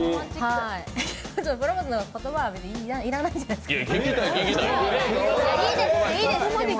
別に、プロポーズの言葉はいらないじゃないですか。